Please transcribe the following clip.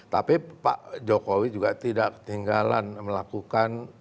tapi pak jokowi juga tidak ketinggalan melakukan